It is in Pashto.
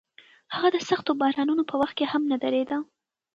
هغه د سختو بارانونو په وخت کې هم نه درېده.